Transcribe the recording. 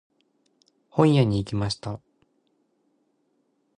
本屋に行きました。